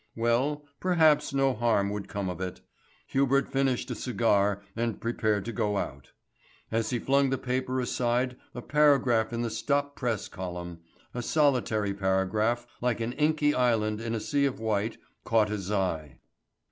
Well, perhaps no harm would come of it. Hubert finished a cigar and prepared to go out. As he flung the paper aside a paragraph in the stop press column a solitary paragraph like an inky island in a sea of white caught his eye.